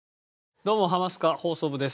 どうも『ハマスカ放送部』です。